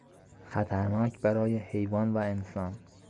خطرناک برای حیوان و انسان